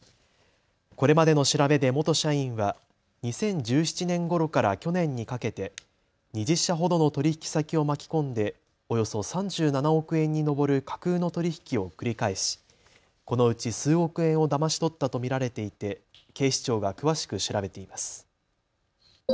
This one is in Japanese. これまでの調べで元社員は２０１７年ごろから去年にかけて２０社ほどの取引先を巻き込んでおよそ３７億円に上る架空の取り引きを繰り返しこのうち数億円をだまし取ったと見られていて警視庁が詳しく調べています。